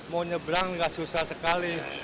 mau nyebrang nggak susah sekali